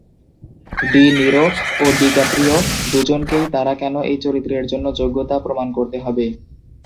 D Niro ও DiCaprio দুজনকেই তারা কেন এই চরিত্রের জন্য যোগ্য তা প্রমাণ করতে হবে।